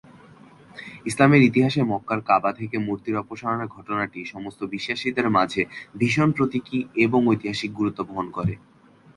ইসলামের ইতিহাস-এ মক্কা-র কাবা থেকে মূর্তি অপসারণের ঘটনাটি সমস্ত বিশ্বাসীদের মাঝে ভীষণ প্রতীকী এবং ঐতিহাসিক গুরুত্ব বহন করে।